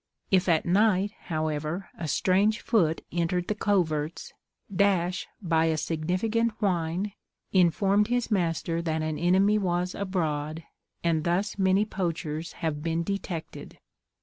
If at night, however, a strange foot entered the coverts, Dash, by a significant whine, informed his master that an enemy was abroad, and thus many poachers have been detected.